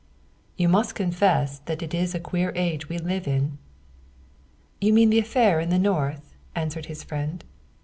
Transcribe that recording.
" You must confess that this a queer age we live in." " You mean the affair in the North ?" answered his friend.